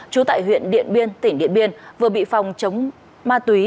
trú tại huyện điện biên tỉnh điện biên vừa bị phòng chống ma túy